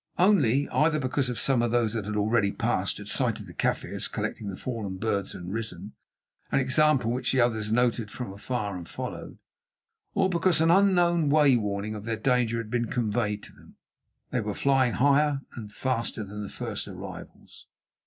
Only, either because some of those that had already passed had sighted the Kaffirs collecting the fallen birds and risen—an example which the others noted from afar and followed—or because in an unknown way warning of their danger had been conveyed to them, they were flying higher and faster than the first arrivals.